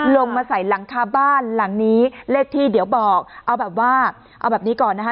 ลงมาใส่หลังคาบ้านหลังนี้เลขที่เดี๋ยวบอกเอาแบบว่าเอาแบบนี้ก่อนนะคะ